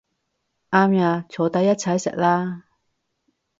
啱吖，坐低一齊食啦